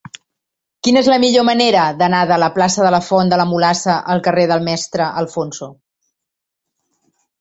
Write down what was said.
Quina és la millor manera d'anar de la plaça de la Font de la Mulassa al carrer del Mestre Alfonso?